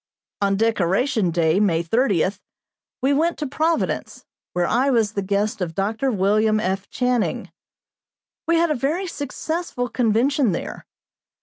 On Decoration Day, May 30, we went to Providence, where I was the guest of Dr. William F. Channing. We had a very successful convention there.